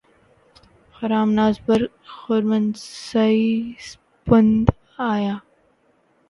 خرام ناز برق خرمن سعی سپند آیا